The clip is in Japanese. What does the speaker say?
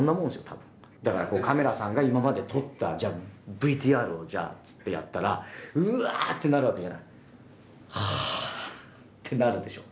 多分だからカメラさんが今まで撮ったＶＴＲをじゃあっつってやったらうわーってなるわけじゃないはあってなるでしょ